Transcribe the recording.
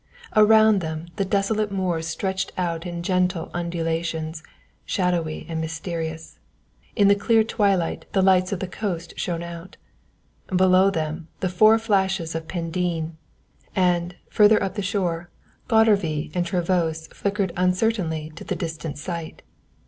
Around them the desolate moors stretched out in gentle undulations, shadowy and mysterious. In the clear twilight the lights of the coast shone out; below them, the four flashes of Pendeen, and, further up the shore, Godrevy and Trevose flickered uncertainly to the distant sight.